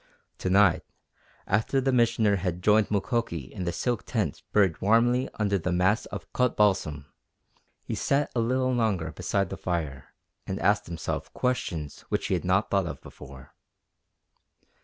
To night, after the Missioner had joined Mukoki in the silk tent buried warmly under the mass of cut balsam, he sat a little longer beside the fire, and asked himself questions which he had not thought of before.